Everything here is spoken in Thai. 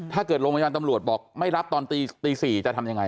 ถ้าเกิดโรงพยาบาลตำรวจบอกไม่รับตอนตี๔จะทำอย่างไร